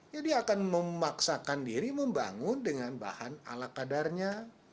ya dia akan memaksakan diri membangun dengan bahan ala kadarnya